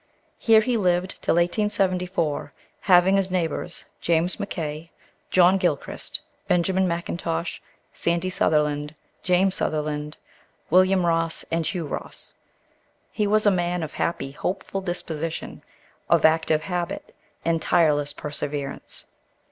Here he lived till 1874, having as neighbors James Mackay, John Gilchrist, Benjamin McIntosh, Sandy Sutherland, James Sutherland, William Ross, and Hugh Ross. He was a man of happy, hopeful disposition, of active habit and tireless perseverance.